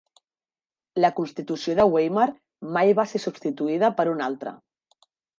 La constitució de Weimar mai va ser substituïda per una altra.